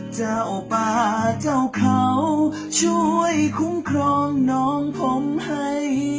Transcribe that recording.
เจ้าป่าเจ้าเขาช่วยคุ้มครองน้องผมให้